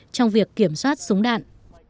trong việc kiểm soát súng đạn